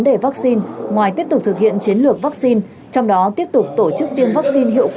đề vaccine ngoài tiếp tục thực hiện chiến lược vaccine trong đó tiếp tục tổ chức tiêm vaccine